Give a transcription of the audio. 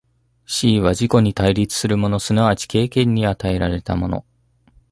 思惟は自己に対立するもの即ち経験に与えられたもの、